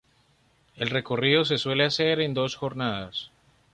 El recorrido se suele hacer en dos jornadas.